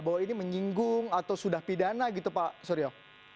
bahwa ini menyinggung atau sudah pidana gitu pak suryo